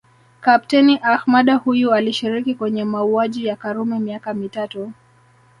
Kapteni Ahmada huyu alishiriki kwenye mauaji ya Karume miaka mitatu